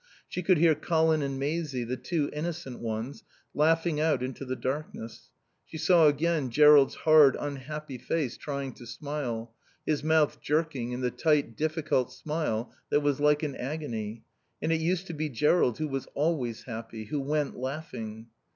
She could hear Colin and Maisie, the two innocent ones, laughing out into the darkness. She saw again Jerrold's hard, unhappy face trying to smile; his mouth jerking in the tight, difficult smile that was like an agony. And it used to be Jerrold who was always happy, who went laughing.